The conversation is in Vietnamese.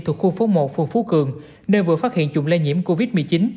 thuộc khu phố một phường phú cường nơi vừa phát hiện chủng lây nhiễm covid một mươi chín